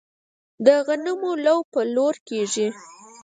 د غنمو لو په لور کیږي.